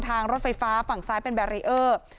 รถไฟฟ้าฝั่งซ้ายเป็นแบรีเออร์